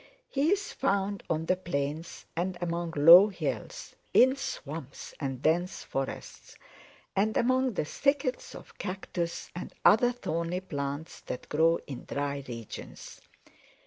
He is found on the plains and among low hills, in swamps and dense forests, and among the thickets of cactus and other thorny plants that grow in dry regions.